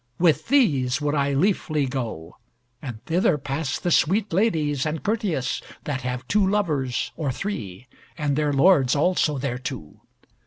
With these would I liefly go. And thither pass the sweet ladies and courteous, that have two lovers, or three, and their lords also thereto.